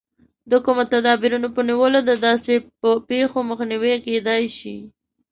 د کومو تدابیرو په نیولو د داسې پېښو مخنیوی کېدای شي.